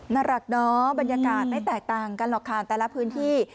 น่ารักเนาะบรรยากาศไม่แตกต่างกันหรอกค่ะแต่ละพื้นที่